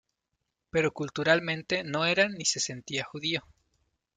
Pero culturalmente no eran ni se sentía indio.